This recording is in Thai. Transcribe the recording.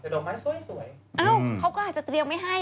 เดี๋ยวดอกไม้สวยอืมอ้าวเขาก็อาจจะเตรียมไม่ให้